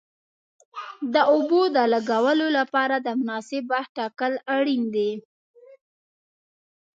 د اوبو د لګولو لپاره د مناسب وخت ټاکل اړین دي.